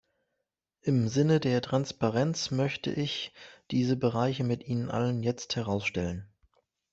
Im Sinne der Transparenz möchte ich diese Bereiche mit Ihnen allen jetzt herausstellen.